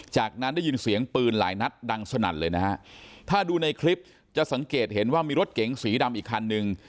จากนั้นได้ยินเสียงปืนหลายนัดดังสนั่นเลยนะฮะถ้าดูในคลิปจะสังเกตเห็นว่ามีรถเก๋งสีดำอีกคันนึง